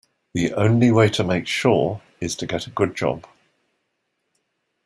The only way to make sure is to get a good job